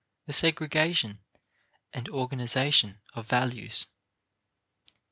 The Segregation and Organization of Values.